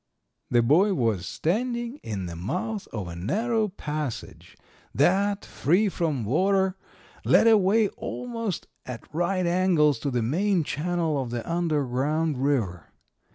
"The boy was standing in the mouth of a narrow passage, that, free from water, led away almost at right angles to the main channel of the underground river.